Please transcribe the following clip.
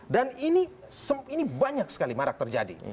dan ini banyak sekali marak terjadi